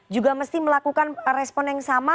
juga mesti melakukan respon yang sama